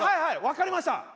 分かりました！